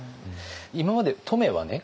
今まで乙女はね